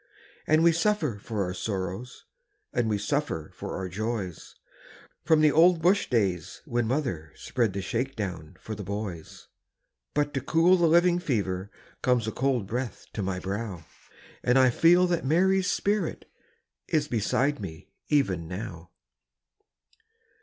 And we suffer for our sorrows, And we suffer for our joys, From the old bush days when mother Spread the shake down for the boys. But to cool the living fever, Comes a cold breath to my brow, And I feel that Mary's spirit Is beside me, even now.